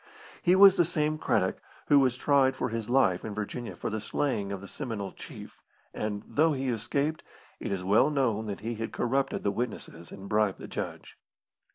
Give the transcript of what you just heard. He was the same Craddock who was tried for his life in Virginia for the slaying of the Seminole Chief, and, though he escaped, it was well known that he had corrupted the witnesses and bribed the judge.